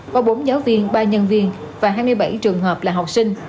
có bốn giáo viên ba nhân viên và hai mươi bảy trường hợp là học sinh